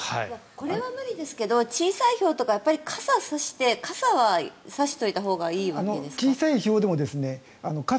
これは無理ですけど小さいひょうとかは傘を差して傘は差しておいたほうがいいわけですか？